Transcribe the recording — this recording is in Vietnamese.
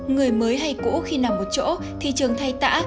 người mới hay cũ khi nằm một chỗ thì trường thay tã